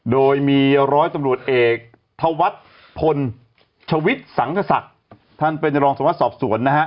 โดยมีร้อยตำรวจเอกธวัฒน์พลชวิตสังกษศักดิ์ท่านเป็นรองสวัสดิ์สอบสวนนะฮะ